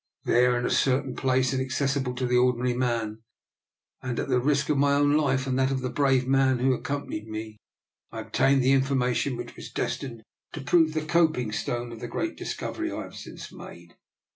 There, in a certain place, inaccessible to the ordinary man, and at the risk of my own life and that of the brave man who accompanied me, I ob tained the information which was destined to prove the coping stone of the great discovery I have since made.